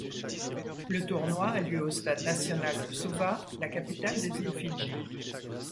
Le tournoi a lieu au stade National de Suva, la capitale des Îles Fidji.